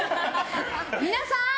皆さん！